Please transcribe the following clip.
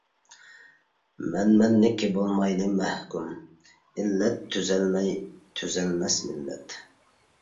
مەنمەنلىككە بولمايلى مەھكۇم، ئىللەت تۈزەلمەي، تۈزەلمەس مىللەت!